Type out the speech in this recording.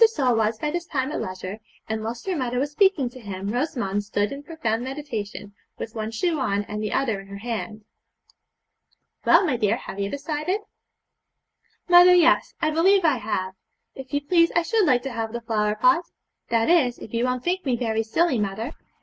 Sole was by this time at leisure, and whilst her mother was speaking to him Rosamond stood in profound meditation, with one shoe on and the other in her hand. 'Well, my dear, have you decided?' 'Mother! yes, I believe I have. If you please, I should like to have the flower pot; that is, if you won't think me very silly, mother.'